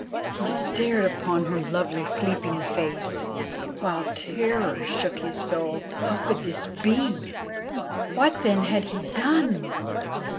He stared upon her lovely sleeping face, while terror shook his soul. How could this be? What then had he done?